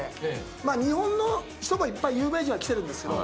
まあ日本の人もいっぱい有名人は来てるんですけど。